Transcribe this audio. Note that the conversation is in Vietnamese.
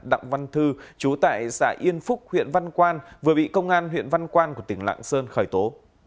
đặng văn thư chú tại xã yên phúc huyện văn quan vừa bị công an huyện văn quan của tỉnh lạng sơn khởi tố